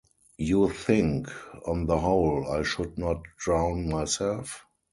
You think, on the whole, I should not drown myself?